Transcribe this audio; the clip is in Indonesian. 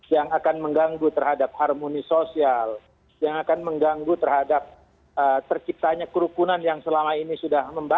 yang akan mengganggu terhadap harmoni sosial yang akan mengganggu terhadap terciptanya kerukunan yang selama ini sudah membaik